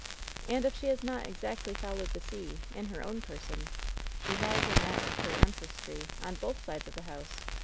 And if she has not ex actly followed the sea, in her own person, she has in that of her ancestry, on both sides of the house.